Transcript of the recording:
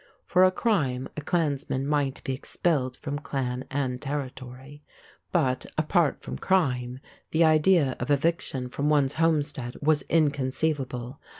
For a crime a clansman might be expelled from clan and territory; but, apart from crime, the idea of eviction from one's homestead was inconceivable.